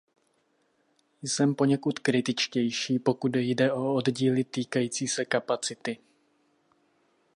Jsem poněkud kritičtější, pokud jde o oddíly týkající se kapacity.